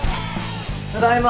ただいま。